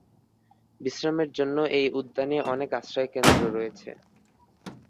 বিশ্রামের জন্য এই উদ্যানে অনেক আশ্রয়কেন্দ্র রয়েছে।